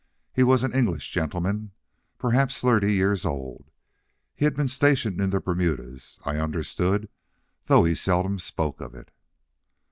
He was an English gentleman, perhaps thirty years old. He had been stationed in the Bermudas, I understood, though he seldom spoke of it.